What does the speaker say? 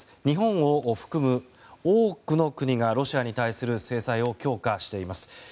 日本を含む多くの国がロシアに対する制裁を強化しています。